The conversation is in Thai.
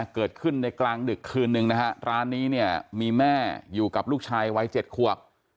เกิดขึ้นในกลางดึกคืนหนึ่งร้านนี้มีแม่อยู่กับลูกชายวัยเจ็ดขวก